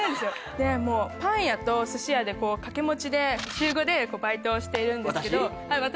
でもうパン屋と寿司屋で掛け持ちで週５でバイトをしているんですけど私？